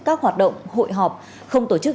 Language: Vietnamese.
các hoạt động hội họp không tổ chức